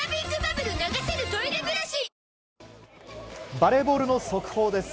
バレーボールの速報です。